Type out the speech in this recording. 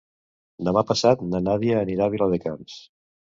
Demà passat na Nàdia anirà a Viladecans.